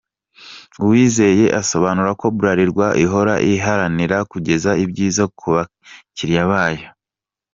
Uwizeye asobanura ko Bralirwa ihora iharanira kugeza ibyiza ku bakiriya bayo.